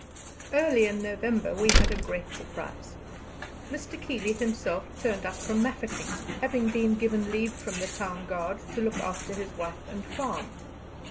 Early in November we had a great surprise. Mr. Keeley himself turned up from Mafeking, having been given leave from the town guard to look after his wife and farm.